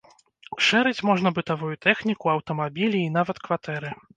Шэрыць можна бытавую тэхніку, аўтамабілі і нават кватэры.